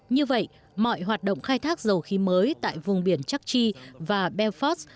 như vậy mọi hoạt động khai thác dầu khí mới tại vùng biển chakchi và belfort